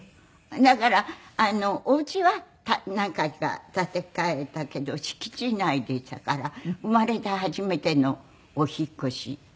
だからお家は何回か建て替えたけど敷地内でしたから生まれて初めてのお引っ越し。